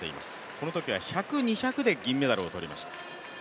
このときは１００、２００で銀メダルをとりました。